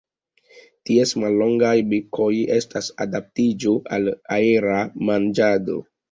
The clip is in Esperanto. Ties mallongaj bekoj estas adaptiĝo al aera manĝado.